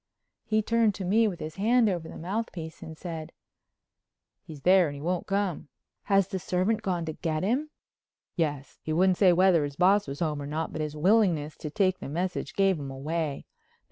He turned to me with his hand over the mouthpiece and said: "He's there and he won't come." "Has the servant gone to get him?" "Yes. He wouldn't say whether his boss was home or not, but his willingness to take the message gave him away.